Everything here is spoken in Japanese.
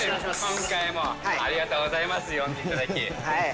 今回もありがとうございます、呼んでいただいて。